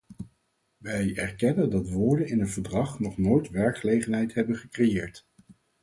Wij erkennen dat woorden in een verdrag nog nooit werkgelegenheid hebben gecreëerd.